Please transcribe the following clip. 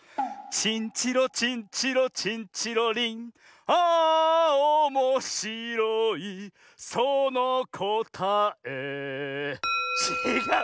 「チンチロチンチロチンチロリン」「あおもしろいそのこたえ」ちがう！